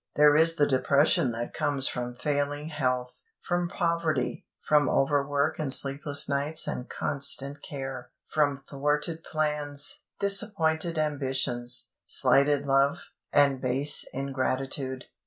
There is the depression that comes from failing health, from poverty, from overwork and sleepless nights and constant care, from thwarted plans, disappointed ambitions, slighted love, and base ingratitude.